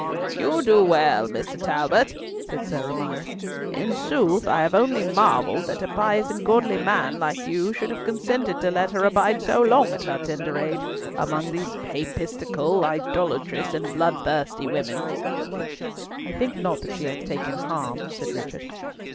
"You do well, Mr. Talbot," said Sir Amias. "In sooth, I have only marvelled that a pious and godly man like you should have consented to let her abide so long, at her tender age, among these papistical, idolatrous, and bloodthirsty women." "I think not that she hath taken harm," said Richard.